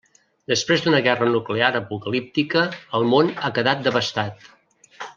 Després d'una guerra nuclear apocalíptica, el món ha quedat devastat.